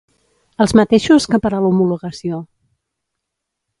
Els mateixos que per a l'homologació.